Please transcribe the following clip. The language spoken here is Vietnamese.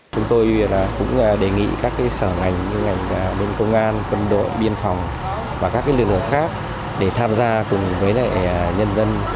chúng tôi cũng đề nghị các sở ngành như ngành bên công an quân đội biên phòng và các lực lượng khác để tham gia cùng với nhân dân